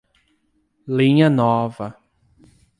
Linha Nova